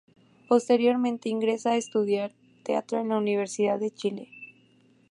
Posteriormente ingresa a estudiar teatro a la Universidad de Chile.